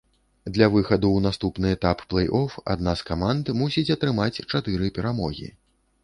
Для выхаду ў наступны этап плэй-оф адна з каманд мусіць атрымаць чатыры перамогі.